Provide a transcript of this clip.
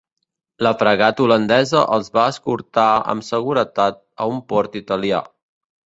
La fragata holandesa els va escortar amb seguretat a un port italià.